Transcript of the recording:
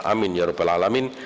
amin ya rabbal alamin